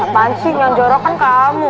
apa sih yang jorokan kamu